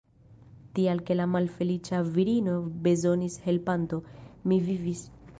Tial ke la malfeliĉa virino bezonis helpanton, mi vivis.